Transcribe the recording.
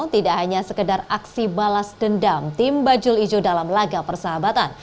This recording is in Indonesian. tidak hanya sekedar aksi balas dendam tim bajul ijo dalam laga persahabatan